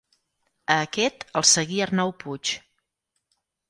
A aquest el seguí Arnau Puig.